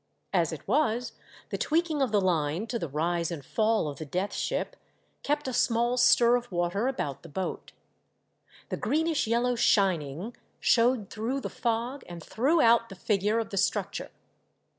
As it was, the tweaking of the line to the rise and fall of the Death Ship kept a small stir of water about the boat ; the efreenish vellow shininQ^ showed through the fog and threw out the figure of the structure.